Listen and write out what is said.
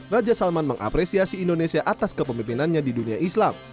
raja salman mengapresiasi indonesia atas kepemimpinannya di dunia islam